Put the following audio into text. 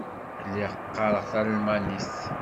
Lliɣ qqareɣ talmanit.